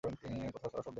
কোথাও সাড়াশব্দ নাই।